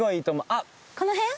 あっこの辺？